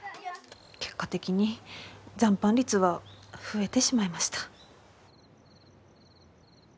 結果的に残飯率は増えてしまいました。